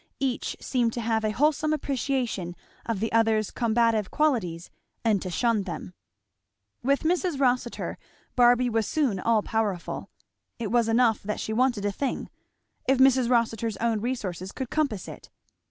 Each seemed to have a wholesome appreciation of the other's combative qualities and to shun them. With Mrs. Rossitur Barby was soon all powerful. It was enough that she wanted a thing, if Mrs Rossitur's own resources could compass it.